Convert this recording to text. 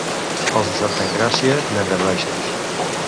Els de Santa Engràcia, llangardaixos.